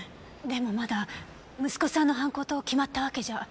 でもまだ息子さんの犯行と決まったわけじゃ。